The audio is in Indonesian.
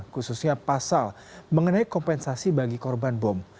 khususnya pasal mengenai kompensasi bagi korban bom